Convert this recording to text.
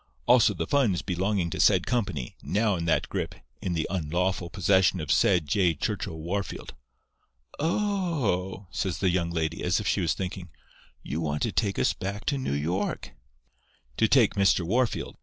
"'Also the funds belonging to said company, now in that grip, in the unlawful possession of said J. Churchill Wahrfield.' "'Oh h h h!' says the young lady, as if she was thinking, 'you want to take us back to New York?' "'To take Mr. Wahrfield.